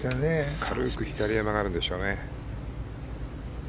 軽く左へ曲がるんでしょうね。